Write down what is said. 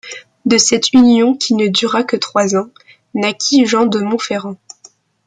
De cette union qui ne dura que trois ans, naquit Jean de Montferrand.